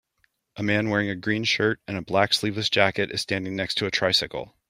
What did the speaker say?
A man wearing a green shirt and a black sleeveless jacket is standing next to a tricycle